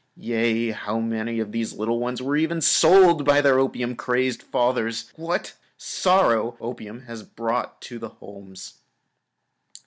Yea, how many of these little ones were even sold by their opium crazed fathers! What sorrow opium has brought to the homes.